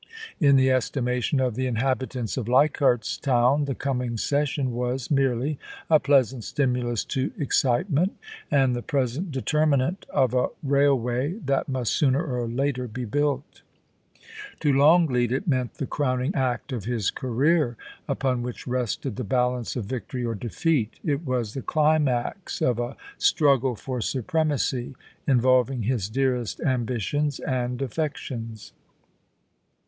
In the estimation of the inhabitants of Leichardt's Town the coming session was merely a pleasant stimulus to excitement, and the present determinant of a railway that must sooner or later be built 32 POUCY ASD PASSIOX. To Longleat, it meant the crowning act of his career, upon which rested the balance of nctory or defeat It was the climax of a struggle for supremacy in\ ol\'ing his dearest ambitions and affections.